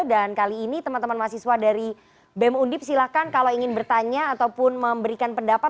dan kali ini teman teman mahasiswa dari bem undip silahkan kalau ingin bertanya ataupun memberikan pendapat